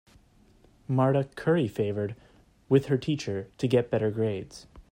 Marta curry favored with her teacher to get better grades.